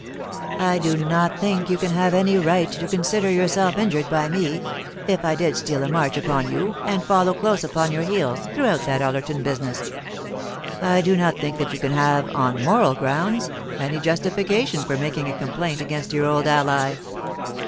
I do not think you can have any right to consider yourself injured by me if I did steal a march upon you, and follow close upon your heels throughout that Ullerton business. I do not think that you can have, on moral grounds, any justification for making a complaint against your old ally."